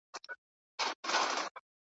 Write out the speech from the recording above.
زه د لمر په کجاوه کي د سپوږمۍ تر کلي ولاړم ,